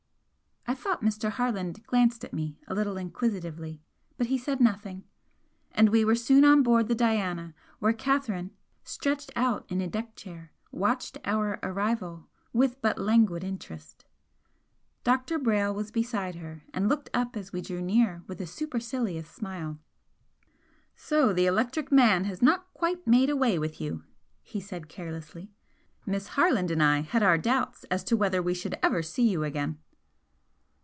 I thought Mr. Harland glanced at me a little inquisitively, but he said nothing and we were soon on board the 'Diana,' where Catherine, stretched out in a deck chair, watched our arrival with but languid interest. Dr. Brayle was beside her, and looked up as we drew near with a supercilious smile. "So the electric man has not quite made away with you," he said, carelessly "Miss Harland and I had our doubts as to whether we should ever see you again!"